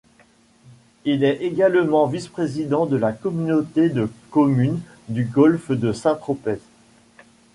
Il est également vice-président de la communauté de communes du golfe de Saint-Tropez.